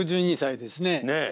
６２歳ですね。